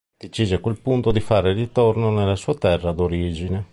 Decise a quel punto di fare ritorno nella sua terra d'origine.